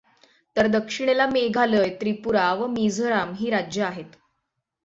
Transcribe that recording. तर दक्षिणेला मेघालय, त्रिपूरा व मिझोरम ही राज्य आहेत.